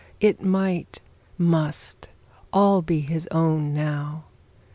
It might, must all be his own now.